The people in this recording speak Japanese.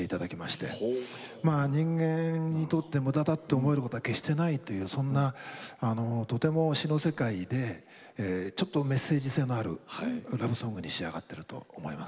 まあ人間にとって無駄だと思えることは決してないというそんなとても詞の世界でちょっとメッセージ性のあるラブソングに仕上がってると思います。